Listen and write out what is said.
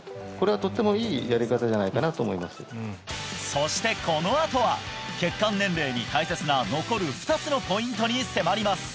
そしてこのあとは血管年齢に大切な残る２つのポイントに迫ります